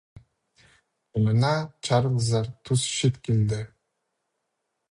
Че мына чарылызар тус чит килді.